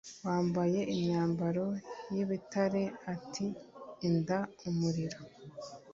wambaye imyambaro y ibitare ati Enda umuriro